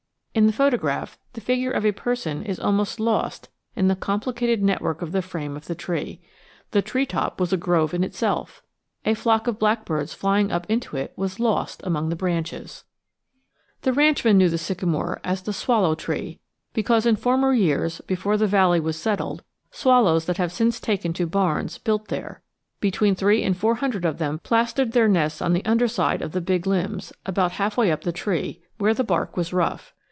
In the photograph, the figure of a person is almost lost in the complicated network of the frame of the tree. The treetop was a grove in itself. A flock of blackbirds flying up into it was lost among the branches. [Illustration: THE BIG SYCAMORE] The ranchman knew the sycamore as the 'swallow tree,' because in former years, before the valley was settled, swallows that have since taken to barns built there. Between three and four hundred of them plastered their nests on the underside of the big limbs, about half way up the tree, where the bark was rough.